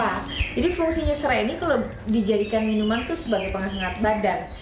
jadi fungsinya serai ini kalau dijadikan minuman itu sebagai pengangkat badan